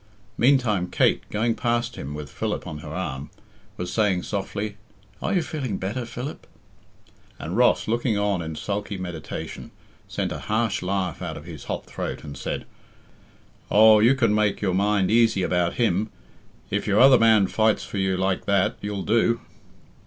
Meantime Kate, going past him with Philip on her arm, was saying softly, "Are you feeling better, Philip?" And Ross, looking on in sulky meditation, sent a harsh laugh out of his hot throat, and said, "Oh, you can make your mind easy about him, if your other man fights for you like that you'll do.